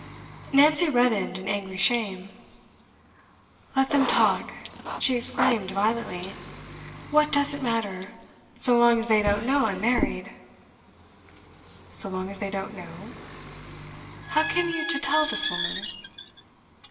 Nancy reddened in angry shame. 'Let them talk!' she exclaimed violently. 'What does it matter, so long as they don't know I'm married?' 'So long as they don't know? How came you to tell this woman?